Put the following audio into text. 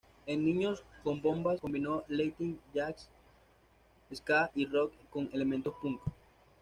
En "Niños Con Bombas" combinó Latin, Jazz, Ska y Rock con elementos Punk.